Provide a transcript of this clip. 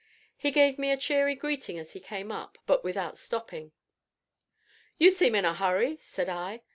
He gave me a cheery greeting as he came up, but without stopping. "You seem in a hurry," said I.